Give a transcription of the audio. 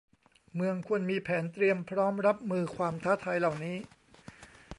เมืองควรมีแผนเตรียมพร้อมรับมือความท้าทายเหล่านี้